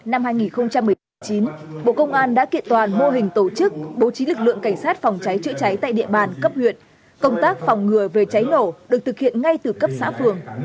năm hai nghìn một mươi chín bộ công an đã kiện toàn mô hình tổ chức bố trí lực lượng cảnh sát phòng cháy trợ cháy tại địa bàn cấp huyện